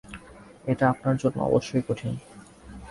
এটা আপনার জন্য অবশ্যই কঠিন।